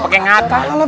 pake ngata lah